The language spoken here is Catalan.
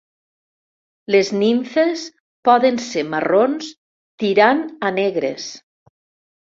Les nimfes poden ser marrons tirant a negres.